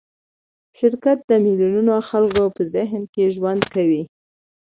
شرکت د میلیونونو خلکو په ذهن کې ژوند کوي.